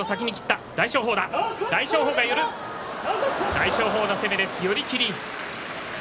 大翔鵬の攻めです寄り切り。